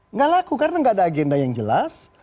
nggak laku karena nggak ada agenda yang jelas